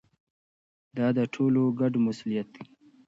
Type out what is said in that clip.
دا د ټولو ګډ مسؤلیت دی.